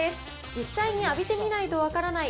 実際に浴びてみないと分からない